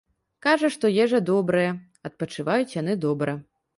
Кажа, што ежа добрая, адпачываюць яны добра.